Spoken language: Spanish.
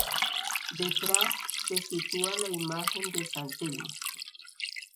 Detrás, se sitúa la imagen de San Telmo.